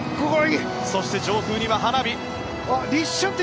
そして上空には花火！